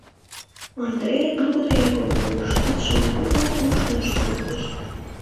— Ондре нугыдо йӱкым пуыш, кидшым кугу мушкындыш чумыртыш.